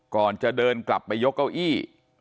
ก่อนจะเดินกลับไปยกเก้าอี้